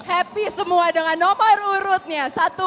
happy semua dengan nomor urutnya satu dua tiga empat